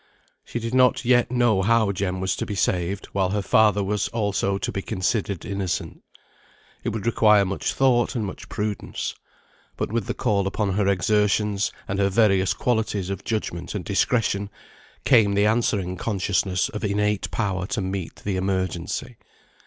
She did not yet know how Jem was to be saved, while her father was also to be considered innocent. It would require much thought and much prudence. But with the call upon her exertions, and her various qualities of judgment and discretion, came the answering consciousness of innate power to meet the emergency.